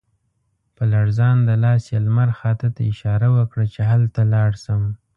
په لړزانده لاس یې لمر خاته ته اشاره وکړه چې هلته لاړ شم.